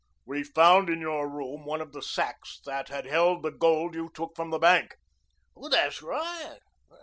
"We found in your room one of the sacks that had held the gold you took from the bank." "That's right.